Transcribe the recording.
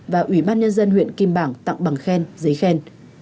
và ủy ban nhân dân huyện kim bảng tặng bằng khen giấy khen